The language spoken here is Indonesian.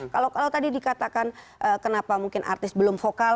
kalau tadi dikatakan kenapa mungkin artis belum vokal